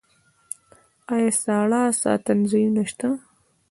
آیا ساړه ساتنځایونه شته؟